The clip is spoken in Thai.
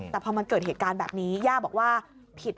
แต่พอมันเกิดเหตุการณ์แบบนี้ย่าบอกว่าผิด